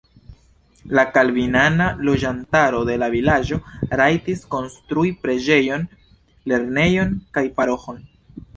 La kalvinana loĝantaro de la vilaĝo rajtis konstrui preĝejon, lernejon kaj paroĥon.